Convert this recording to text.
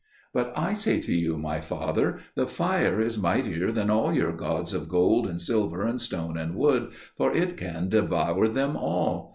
"But I say to you, my father, the fire is mightier than all your gods of gold and silver and stone and wood, for it can devour them all.